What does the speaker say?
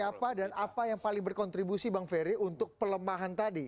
siapa dan apa yang paling berkontribusi bang ferry untuk pelemahan tadi